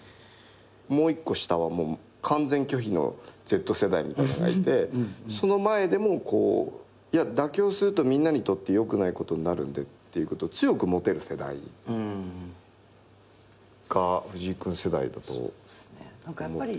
もう一個下は完全拒否のＺ世代みたいなのがいてその前でもこういや妥協するとみんなにとってよくないことになるんでっていうことを強く持てる世代。が藤井君世代だと思ってて。